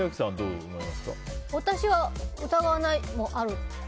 私は疑わないもある。